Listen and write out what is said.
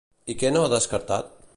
I què no ha descartat?